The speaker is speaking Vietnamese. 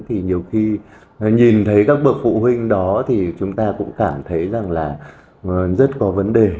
thì nhiều khi nhìn thấy các bậc phụ huynh đó thì chúng ta cũng cảm thấy rằng là rất có vấn đề